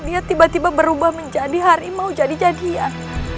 dia tiba tiba berubah menjadi harimau jadi jadian